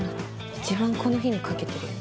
一番この日に懸けてるよね。